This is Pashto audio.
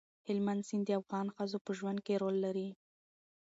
هلمند سیند د افغان ښځو په ژوند کې رول لري.